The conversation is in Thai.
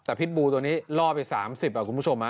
แต่พิษบูตัวนี้ล่อไป๓๐กิโลกรัมคุณผู้ชม